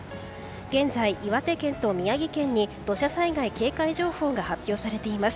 現在、岩手県と宮城県に土砂災害警戒情報が発表されています。